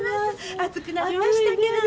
暑くなりましたけどね。